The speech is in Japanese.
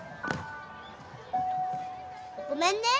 ごめんね。